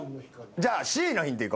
じゃあＣのヒントいこうか。